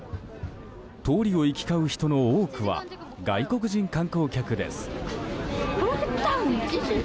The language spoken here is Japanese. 通りを行き交う人の多くは外国人観光客です。